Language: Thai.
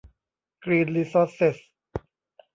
กรีน รีซอร์สเซส